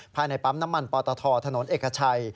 ภายในปั๊มน้ำมันปอตทถนนเอกชัย